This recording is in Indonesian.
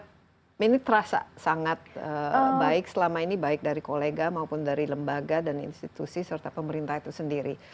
tapi ini terasa sangat baik selama ini baik dari kolega maupun dari lembaga dan institusi serta pemerintah itu sendiri